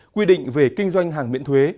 quy định về kinh doanh hàng miễn thuế